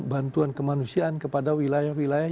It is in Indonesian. bantuan kemanusiaan kepada wilayah wilayah